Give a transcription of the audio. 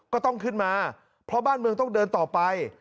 ก็ต้องขึ้นมาเพราะบ้านเมืองต้องเดินต่อไป